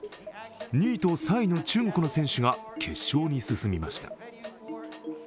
２位と３位の中国の選手が決勝に進みました。